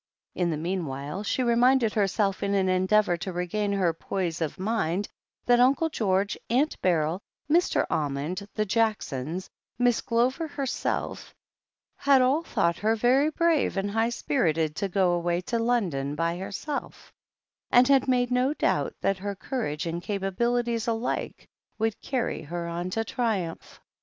In the meanwhile, she reminded herself, in an en deavour to regain her poise of mind, that Uncle George, Aunt Beryl, Mr. Almond, the Jacksons, Miss Glover herself, had all thought her very brave and high spirited to go away to London by herself, and had made no doubt that her courage and capabilities alike would carry her on to triumph.